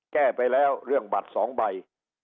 แก้ไปแล้วเรื่องบัตร๒ใบ